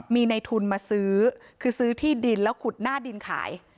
มีในทุนมาซื้อคือซื้อที่ดินแล้วขุดหน้าดินขาย